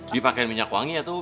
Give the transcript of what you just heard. dipakai minyak wangi ya tuh